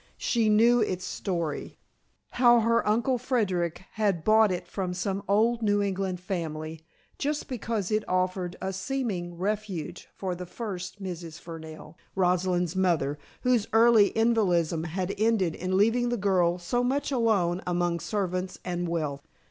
She knew its story; how her Uncle Frederic had bought it from some old New England family just because it offered a seeming refuge for the first Mrs. Fernell, Rosalind's mother, whose early invalidism had ended in leaving the girl so much alone among servants and wealth.